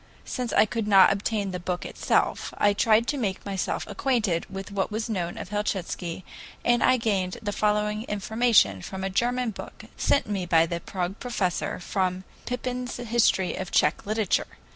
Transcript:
Since I could not obtain the book itself, I tried to make myself acquainted with what was known of Helchitsky, and I gained the following information from a German book sent me by the Prague professor and from Pypin's history of Tsech literature.